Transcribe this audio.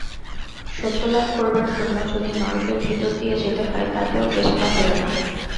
সত্যলাভ করবার জন্য যদি নরকের ভিতর দিয়ে যেতে হয়, তাতেও পেছ-পা হয়ো না।